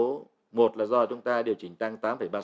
yếu tố một là do chúng ta điều chỉnh tăng tám ba mươi sáu